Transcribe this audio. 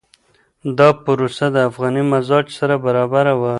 دا پروسه د افغاني مزاج سره برابره وه.